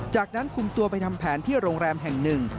จากนั้นคุมตัวไปทำแผนที่โรงแรมแห่งหนึ่ง